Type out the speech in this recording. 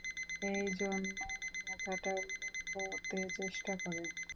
এইজন্যে ব্যথাটা লুকোতে চেষ্টা করে।